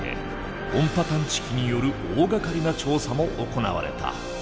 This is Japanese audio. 音波探知機による大がかりな調査も行われた。